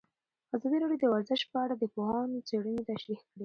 ازادي راډیو د ورزش په اړه د پوهانو څېړنې تشریح کړې.